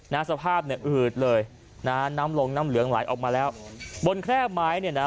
สภาพเนี่ยอืดเลยนะฮะน้ำลงน้ำเหลืองไหลออกมาแล้วบนแคร่ไม้เนี่ยนะ